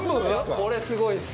これすごいです。